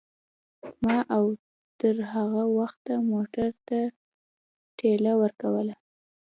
ما او تر هغه وخته موټر ته ټېله ورکوله.